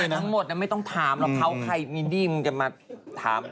ทั้งหมดไม่ต้องถามหรอกเขาใครมีหนี้มึงจะมาถาม